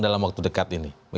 dalam waktu dekat ini